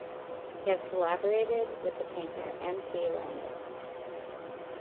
He has collaborated with the painter M. P. Landis.